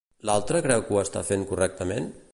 L'altra creu que ho està fent correctament?